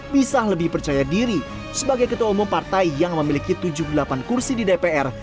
bisa lebih percaya diri sebagai ketua umum partai yang memiliki tujuh puluh delapan kursi di dpr